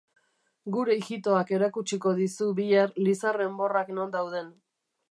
Gure ijitoak erakutsiko dizu bihar lizar enborrak non dauden.